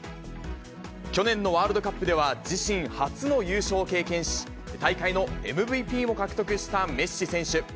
去年のワールドカップでは自身初の優勝を経験し、大会のＭＶＰも獲得したメッシ選手。